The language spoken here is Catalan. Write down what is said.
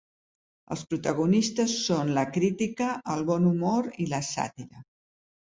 Els protagonistes són la crítica, el bon humor i la sàtira.